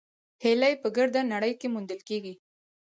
هیلۍ په ګرده نړۍ کې موندل کېږي